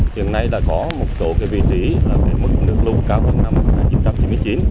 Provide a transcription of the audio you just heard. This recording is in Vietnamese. hiện nay đã có một số vị trí mức nước lũ cao hơn năm một nghìn chín trăm chín mươi chín